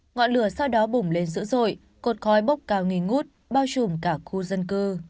ngọn lửa sau đó bùng lên dữ dội cột khói bốc cao nghi ngút bao trùm cả khu dân cư